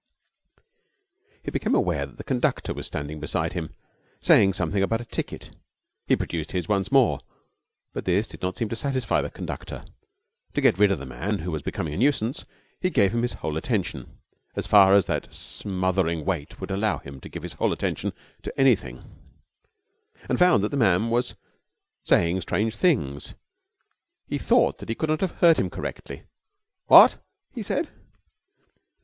He became aware that the conductor was standing beside him, saying something about a ticket. He produced his once more, but this did not seem to satisfy the conductor. To get rid of the man, who was becoming a nuisance, he gave him his whole attention, as far as that smothering weight would allow him to give his whole attention to anything, and found that the man was saying strange things. He thought that he could not have heard him correctly. 'What?' he said.